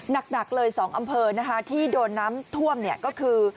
หนักเลย๒อำเภอนะคะที่โดนน้ำท่วมเนี่ยก็คือ